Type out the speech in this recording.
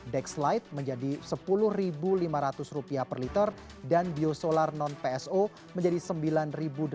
dex light menjadi rp sepuluh lima ratus per liter dan biosolar non pso menjadi rp sembilan